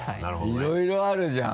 いろいろあるじゃん